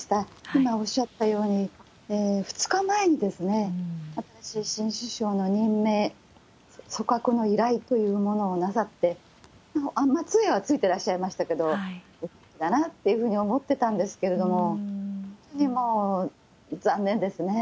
今おっしゃったように、２日前に、トラス新首相の任命、組閣の依頼というものをなさって、つえはついていらっしゃいましたけれども、お元気だなと思ってたんですけれども、残念ですね。